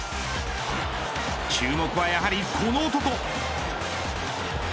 注目はやはりこの男。